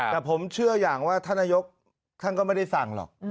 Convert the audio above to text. แต่ผมเชื่ออย่างว่าท่านนายกท่านก็ไม่ได้สั่งหรอก